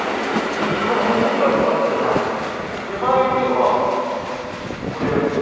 立派な門がありますけど手前にはこれ池というか水堀？